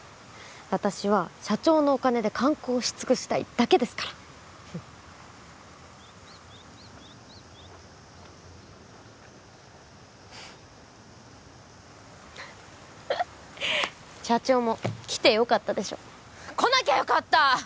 私は社長のお金で観光しつくしたいだけですから社長も来てよかったでしょ来なきゃよかった！